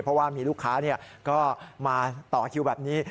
เพราะว่ามีลูกค้าก็มาต่อคิวแบบนี้